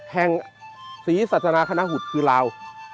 แห่งสีศาสนาคณะหุดคือราว